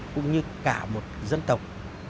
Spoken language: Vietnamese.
cũng như cả một dân tộc